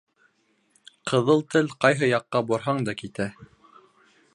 Ҡыҙыл тел ҡайһы яҡҡа борһаң да китә.